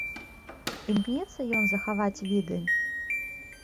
Імкнецца ён захаваць віды?